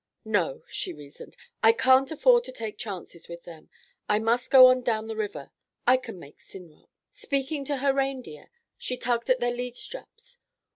"No," she reasoned, "I can't afford to take chances with them. I must go on down the river. I can make Sinrock." Speaking to her reindeer, she tugged at their lead straps.